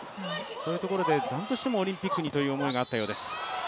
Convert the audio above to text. そういうところで何としてもオリンピックにという思いがあったようです。